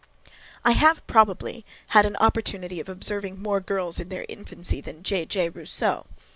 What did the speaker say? I have, probably, had an opportunity of observing more girls in their infancy than J. J. Rousseau.